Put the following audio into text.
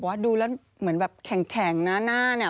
เพราะว่าดูแล้วเหมือนแบบแข็งหน้านี่